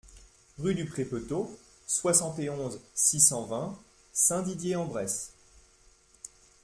Rue du Pré Peutot, soixante et onze, six cent vingt Saint-Didier-en-Bresse